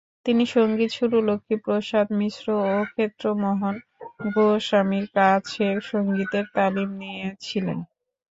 তিনি সঙ্গীত গুরু লক্ষ্মীপ্রসাদ মিশ্র ও ক্ষেত্রমোহন গোস্বামীর কাছে সঙ্গীতের তালিম নিয়েছিলেন।